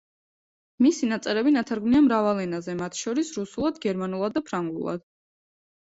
მისი ნაწერები ნათარგმნია მრავალ ენაზე, მათშორის რუსულად, გერმანულად და ფრანგულად.